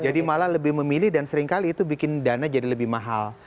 jadi malah lebih memilih dan seringkali itu bikin dana jadi lebih mahal